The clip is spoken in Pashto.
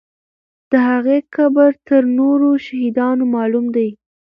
د هغې قبر تر نورو شهیدانو معلوم دی.